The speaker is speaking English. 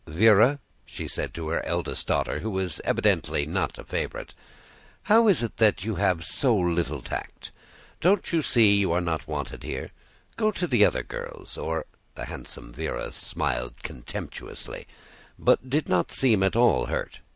"Véra," she said to her eldest daughter who was evidently not a favorite, "how is it you have so little tact? Don't you see you are not wanted here? Go to the other girls, or..." The handsome Véra smiled contemptuously but did not seem at all hurt.